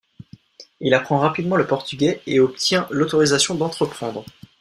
Il apprend rapidement le portugais et obtient l’autorisation d’entreprendre.